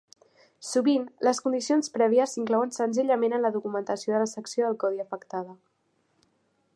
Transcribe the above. Sovint, les condicions prèvies s'inclouen senzillament en la documentació de la secció del codi afectada.